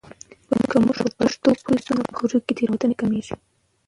که موږ په پښتو پوه شو، نو خبرو کې تېروتنې کمېږي.